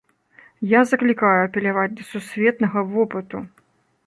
Я заклікаю апеляваць да сусветнага вопыту.